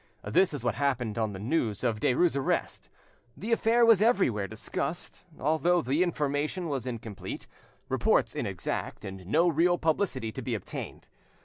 This is what happened on the news of Derues' arrest. The affair was everywhere discussed, although the information was incomplete, reports inexact, and no real publicity to be obtained.